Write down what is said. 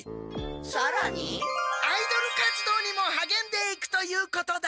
さらに？アイドル活動にもはげんでいくということだ。